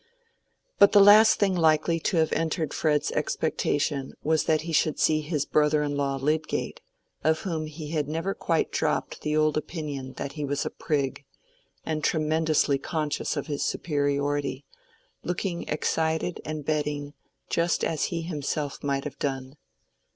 But the last thing likely to have entered Fred's expectation was that he should see his brother in law Lydgate—of whom he had never quite dropped the old opinion that he was a prig, and tremendously conscious of his superiority—looking excited and betting, just as he himself might have done.